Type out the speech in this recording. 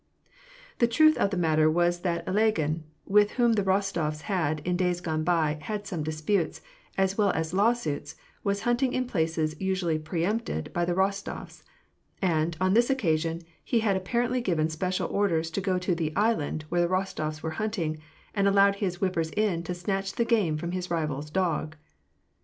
The truth of the matter was that Ilagin, with whom the Kos tofs had, in days gone by, had some disputes, as well as law suits, was hunting in places usually pre empted by the Ros tofs ; and, on this occasion, he had apparently given special orders to go to the " island " where the Rostofs were hunt ing, and allowed his whipper in to snatch the game from his rival's dogs.